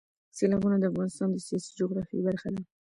سیلابونه د افغانستان د سیاسي جغرافیه برخه ده.